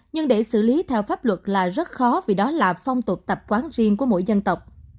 nhưng để xử lý theo pháp luật là rất khó vì đó là phong tục tập quán riêng của mỗi dân tộc